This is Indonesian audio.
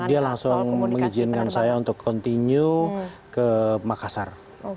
dia langsung mengizinkan saya untuk continue ke makassar